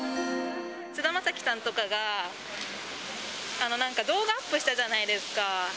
菅田将暉さんとかが、なんか動画アップしたじゃないですか。